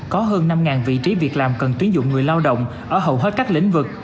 có hơn năm vị trí việc làm cần tuyến dụng người lao động ở hầu hết các lĩnh vực